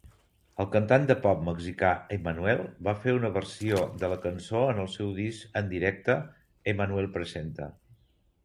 El cantant de pop mexicà, Emmanuel va fer una versió de la cançó en el seu disc en directe, "Emmanuel Presenta...".